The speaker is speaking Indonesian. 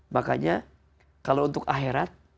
makanya kalau untuk akhirat